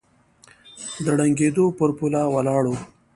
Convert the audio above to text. د ړنګېدو پر پوله ولاړ و